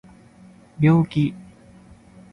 病気